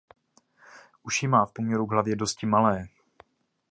Uši má v poměru k hlavě dosti malé.